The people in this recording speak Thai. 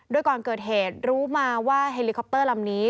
โดยก่อนเกิดเหตุรู้มาว่าเฮลิคอปเตอร์ลำนี้